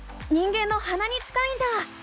人間のはなに近いんだ！